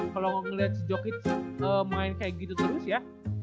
kalo ngeliat sejokit main kayak gitu terus ya